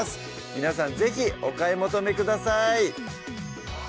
皆さん是非お買い求めください